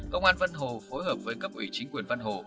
công an vân hồ phối hợp với cấp ủy chính quyền vân hồ